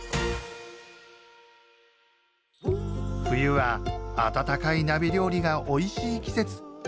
冬は温かい鍋料理がおいしい季節。